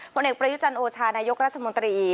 ผลเอกประยุจันโอชานายกรัฐมนตรี